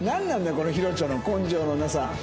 このヒロチョの根性のなさ。